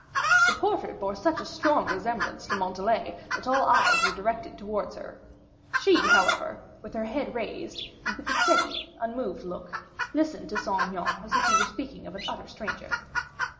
The portrait bore such a strong resemblance to Montalais, that all eyes were directed towards her; she, however, with her head raised, and with a steady, unmoved look, listened to Saint Aignan, as if he were speaking of an utter stranger.